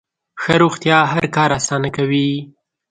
ښه روغتیا هر کار اسانه کوي.